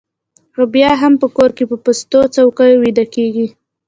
خو بیا هم په کور کې په پستو څوکیو ویده کېږي